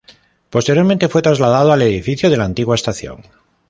Posteriormente fue trasladado al edificio de la antigua estación.